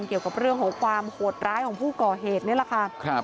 เกี่ยวกับเรื่องของความโหดร้ายของผู้ก่อเหตุนี่แหละค่ะ